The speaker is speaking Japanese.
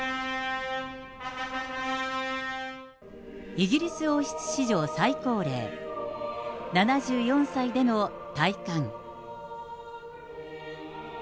イギリス王室史上最高齢、７４歳での戴冠。